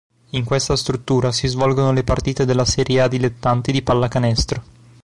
In questa struttura si svolgono le partite della Serie A Dilettanti di pallacanestro.